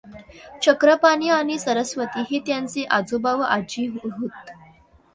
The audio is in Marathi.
चक्रपाणी आणि सरस्वती हे त्यांचे आजोबा व आजी होत.